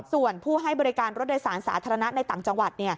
ส่วนผู้ให้บริการรถโดยสารสาธารณะในต่างจังหวัด